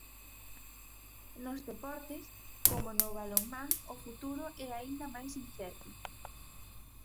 Nos deportes: como no balonmán o futuro é aínda máis incerto.